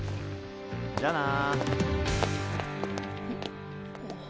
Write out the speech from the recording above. じゃあな。